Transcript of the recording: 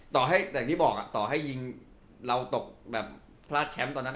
ต่อให้อย่างที่บอกต่อให้ยิงเราตกแบบพลาดแชมป์ตอนนั้น